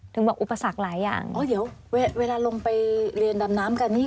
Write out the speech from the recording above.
บอกอุปสรรคหลายอย่างโอ้เดี๋ยวเวลาลงไปเรียนดำน้ำกันนี่